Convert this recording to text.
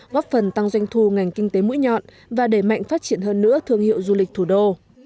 góp phần tăng doanh thu ngành kinh tế mũi nhọn và đẩy mạnh phát triển hơn nữa thương hiệu du lịch thủ đô